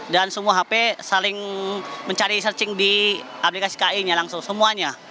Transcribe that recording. dan semua hp saling mencari searching di aplikasi ki nya langsung semuanya